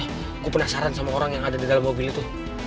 aku penasaran sama orang yang ada di dalam mobil itu